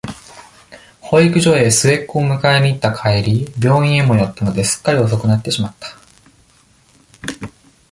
保育所へ、末っ子を迎えにいった帰り、病院へも寄ったので、すっかり遅くなってしまった。